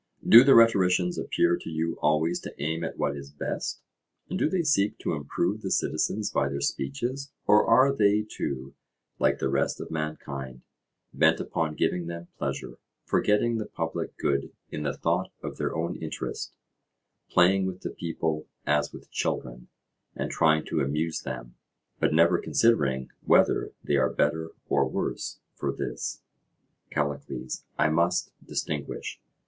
Do the rhetoricians appear to you always to aim at what is best, and do they seek to improve the citizens by their speeches, or are they too, like the rest of mankind, bent upon giving them pleasure, forgetting the public good in the thought of their own interest, playing with the people as with children, and trying to amuse them, but never considering whether they are better or worse for this? CALLICLES: I must distinguish.